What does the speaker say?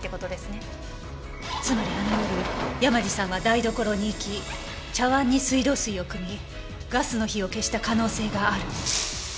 つまりあの夜山路さんは台所に行き茶碗に水道水を汲みガスの火を消した可能性がある。